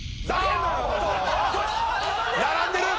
並んでる！